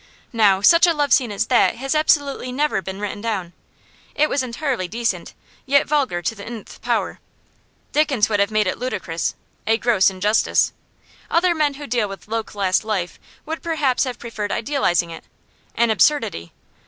Now, such a love scene as that has absolutely never been written down; it was entirely decent, yet vulgar to the nth power. Dickens would have made it ludicrous a gross injustice. Other men who deal with low class life would perhaps have preferred idealising it an absurdity.